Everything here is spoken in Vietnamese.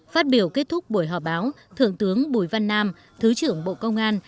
phát biểu kết thúc buổi họp báo thượng tướng bùi văn nam thứ trưởng bộ công an